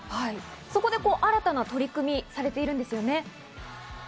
そこで新たな取り組みをされてるんですよね？